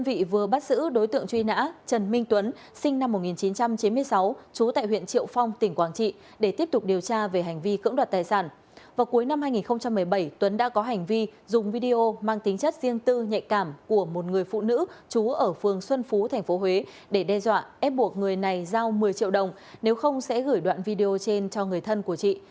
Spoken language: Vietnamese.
vào cuối năm hai nghìn một mươi bảy tuấn đã có hành vi dùng video mang tính chất riêng tư nhạy cảm của một người phụ nữ chú ở phương xuân phú tp huế để đe dọa ép buộc người này giao một mươi triệu đồng nếu không sẽ gửi đoạn video trên cho người thân của chị